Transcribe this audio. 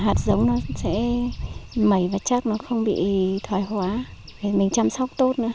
hạt giống nó sẽ mẩy và chắc nó không bị thoái hóa mình chăm sóc tốt nữa